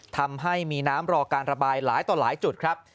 ทำให้มีน้ำรอการระบายหลายต่อหลายจุดครับ